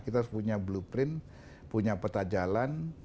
kita harus punya blueprint punya peta jalan